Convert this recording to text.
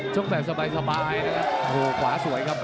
ใจแบบสบายนะครับ